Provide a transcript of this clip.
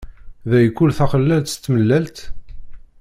Day kul taxellalt s tmellalt?